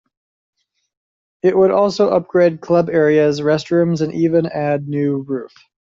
It would also upgrade club areas, restrooms, and even add a new roof.